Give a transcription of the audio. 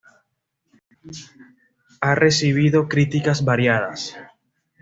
Ha recibido críticas variadas.